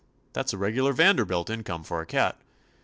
That 's a regular Vanderbilt income for a cat.